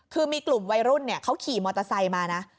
คือมีกลุ่มวัยรุ่นเขาขี่มอเตอร์ไซค์มานะ